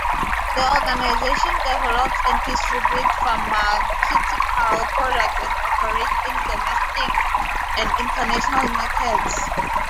The organization develops and distributes pharmaceutical products and operates in domestic and international markets.